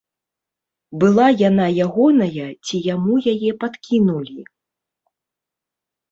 Была яна ягоная ці яму яе падкінулі?